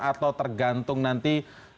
atau tergantung nanti